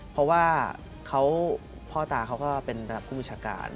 เพราะว่าพ่อตาเขาก็เป็นภูมิชาการ